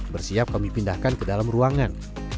bersiap kami pindahkan ke dalam ruangan